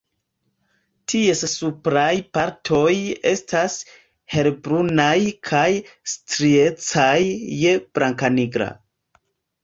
Ties supraj partoj estas helbrunaj kaj striecaj je blankanigra.